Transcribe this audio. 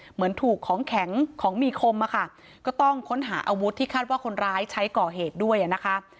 เหมือนถูกของแข็งของมีคมอะค่ะก็ต้องค้นหาอาวุธที่คาดว่าคนร้ายใช้ก่อเหตุด้วยนะคะ